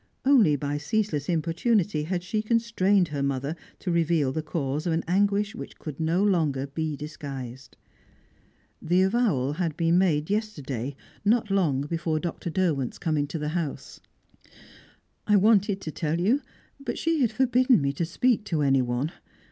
Only by ceaseless importunity had she constrained her mother to reveal the cause of an anguish which could no longer be disguised. The avowal had been made yesterday, not long before Dr. Derwent's coming to the house. "I wanted to tell you, but she had forbidden me to speak to anyone.